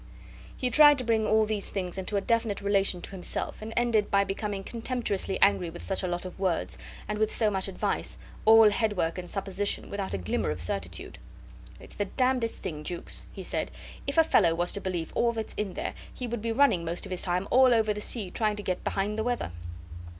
He tried to bring all these things into a definite relation to himself, and ended by becoming contemptuously angry with such a lot of words, and with so much advice, all head work and supposition, without a glimmer of certitude. "It's the damnedest thing, Jukes," he said. "If a fellow was to believe all that's in there, he would be running most of his time all over the sea trying to get behind the weather."